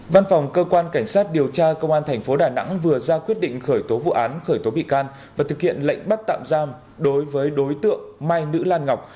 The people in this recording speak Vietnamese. văn phòng cơ quan cảnh sát điều tra công an tp đà nẵng vừa ra quyết định khởi tố vụ án khởi tố bị can và thực hiện lệnh bắt tạm giam đối với đối tượng mai nữ lan ngọc